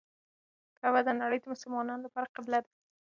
کعبه د نړۍ د مسلمانانو لپاره قبله ده.